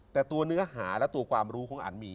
แต่ตัวเนื้อหาและตัวความรู้ของอันมี